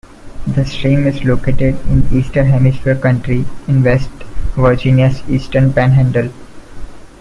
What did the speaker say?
The stream is located in eastern Hampshire County in West Virginia's Eastern Panhandle.